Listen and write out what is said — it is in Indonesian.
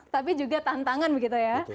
tapi juga tantangan begitu ya